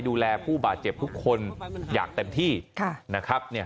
ดูแลผู้บาดเจ็บทุกคนอยากเต็มที่ค่ะนะครับเนี่ย